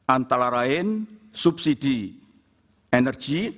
antara lain subsidi energi